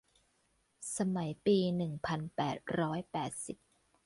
สมัยปีหนึ่งพันแปดร้อยแปดสิบ